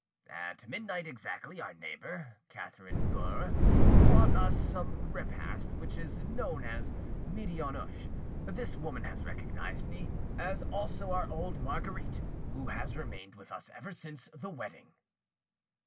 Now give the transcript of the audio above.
"At midnight exactly, our neighbour, Catherine Boere, brought us the repast which is known as 'medianoche.' This woman has recognised me, as also our old Marguerite, who has remained with us ever since the wedding."